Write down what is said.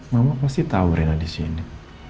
mama pasti tahu rena disini